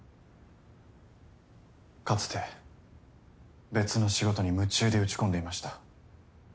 かつて別の仕事に夢中で打ち込んでいました。